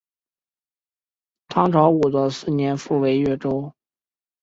唐朝武德四年复为越州。